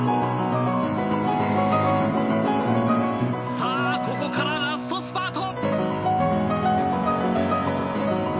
さあここからラストスパート！